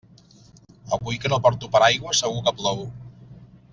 Avui que no porto paraigua segur que plou.